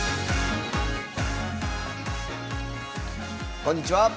こんにちは。